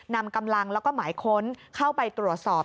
นำกำลังแล้วก็หมายค้นเข้าไปตรวจสอบ